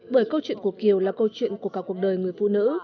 bởi câu chuyện của kiều là câu chuyện của cả cuộc đời người phụ nữ